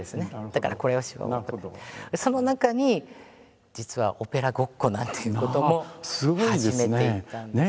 だから「これをしよう！」とかって。その中に実は「オペラごっこ」なんていうことも始めていたんです。